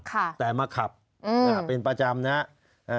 ค่ะแต่มาขับอืมอ่าเป็นประจำนั้นอ่า